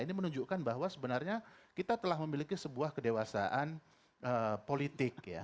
ini menunjukkan bahwa sebenarnya kita telah memiliki sebuah kedewasaan politik ya